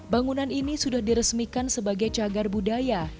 bangunan ini sudah diresmikan sebagai cagar bung karno